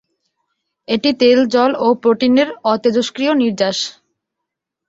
এটি তেল, জল ও প্রোটিনের অতেজস্ক্রিয় নির্যাস।